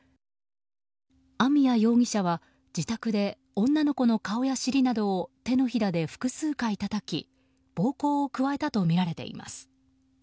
網谷容疑者は自宅で女の子の顔や尻などを手のひらで複数回たたき暴行を加えたとみられています。